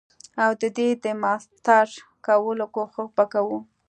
او ددی د ماستر کولو کوښښ به کوو.